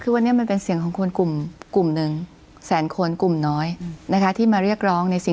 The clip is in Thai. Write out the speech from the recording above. คุณปริณาค่ะหลังจากนี้จะเกิดอะไรขึ้นอีกได้บ้างเพื่อที่ให้เขาและสภาหรือและรัฐบาลเนี่ยคุยกันได้บ้าง